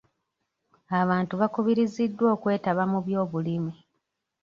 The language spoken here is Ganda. Abantu bakubiriziddwa okwetaba mu byobulimi.